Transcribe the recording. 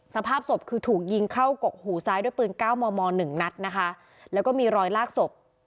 สภาพศพคือถูกยิงเข้ากกหูซ้ายด้วยปืนเก้ามอมอหนึ่งนัดนะคะแล้วก็มีรอยลากศพ